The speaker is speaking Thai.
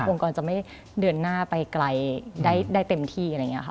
กรจะไม่เดินหน้าไปไกลได้เต็มที่อะไรอย่างนี้ค่ะ